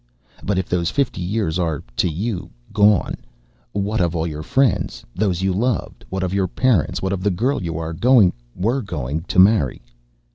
But if those fifty years are to you gone, what of all your friends, those you loved? What of your parents? What of the girl you are going were going to marry?